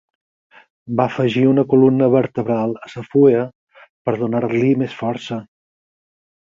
Va afegir una columna vertebral a la fulla per donar-li més força.